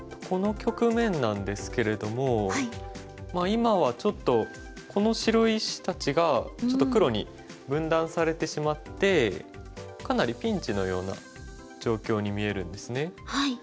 この局面なんですけれども今はちょっとこの白石たちがちょっと黒に分断されてしまってかなりピンチのような状況に見えるんですね。